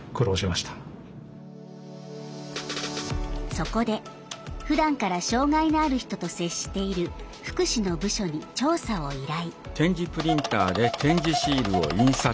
そこで、ふだんから障害のある人と接している福祉の部署に調査を依頼。